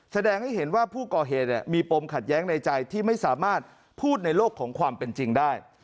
แสดงให้เห็นว่าผู้ก่อเหตุมีปมขัดแย้งในใจที่ไม่สามารถพูดในโลกของความเป็นจริงได้